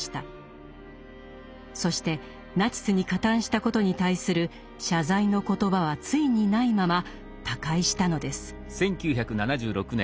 そしてナチスに加担したことに対する謝罪の言葉はついにないまま他界したのです。